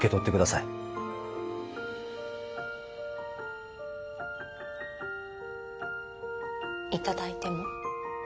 いただいても。